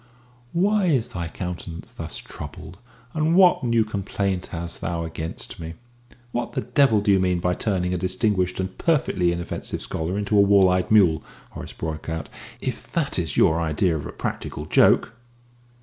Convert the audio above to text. "Why is thy countenance thus troubled, and what new complaint hast thou against me?" "What the devil do you mean by turning a distinguished and perfectly inoffensive scholar into a wall eyed mule?" Horace broke out. "If that is your idea of a practical joke